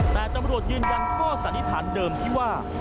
แต่ตำรวจยืนยันข้อสันนิษฐานเดิมที่ว่า